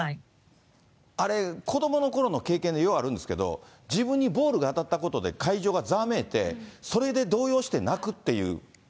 あれ、子どものころの経験でようあるんですけど、自分にボールが当たったことで、会場がざわめいて、それで動揺して泣くっていう。